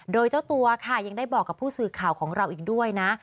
โดยเจ้าตัวค่ะยังได้บอกกับผู้สื่อข่าวของเราอีกด้วยนะ